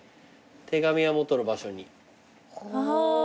「手紙はもとの場所に」